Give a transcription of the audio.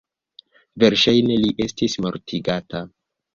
Verŝajne li estis mortigata.